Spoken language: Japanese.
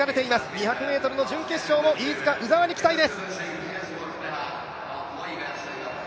２００ｍの準決勝も飯塚、鵜澤に期待です。